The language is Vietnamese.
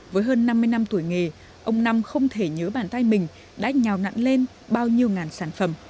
với hơn năm mươi năm tuổi nghề ông năm không thể nhớ bàn tay mình đã nhào nặng lên bao nhiêu ngàn sản phẩm